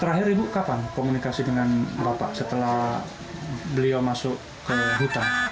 terakhir ibu kapan komunikasi dengan bapak setelah beliau masuk ke hutan